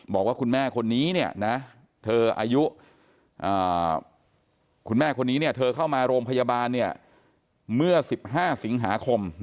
บอกว่าคุณแม่คนนี้เธอเข้ามาโรงพยาบาลเมื่อ๑๕สิงหาคม